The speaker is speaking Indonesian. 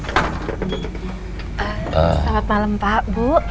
selamat malam pak bu